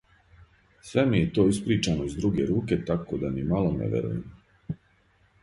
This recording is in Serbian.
Sve mi je to ispričano iz druge ruke tako da ni malo ne verujem.